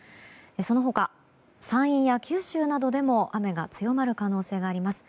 その他、山陰や九州などでも雨が強まる可能性があります。